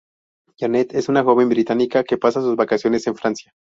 Janet es una joven británica que pasa sus vacaciones en Francia.